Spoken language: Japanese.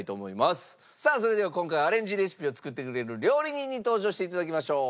さあそれでは今回アレンジレシピを作ってくれる料理人に登場していただきましょう。